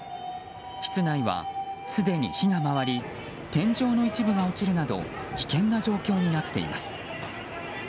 室内はすでに火が回り天井の一部が落ちるなど危険な状況になっています。